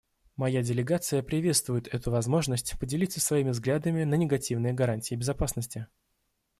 Моя делегация приветствует эту возможность поделиться своими взглядами на негативные гарантии безопасности.